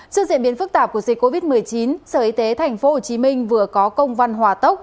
trước diễn biến phức tạp của dịch covid một mươi chín sở y tế thành phố hồ chí minh vừa có công văn hòa tốc